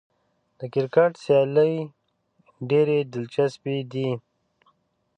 د کرکټ سیالۍ ډېرې دلچسپې دي.